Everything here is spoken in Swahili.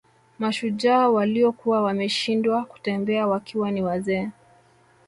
Mashujaa waliokuwa wameshindwa kutembea wakiwa ni wazee